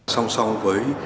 sông sông với